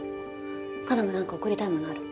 花奈もなんか送りたいものある？